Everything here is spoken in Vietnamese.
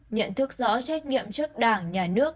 nhận thức rõ trách nhiệm chức đảng nhà nước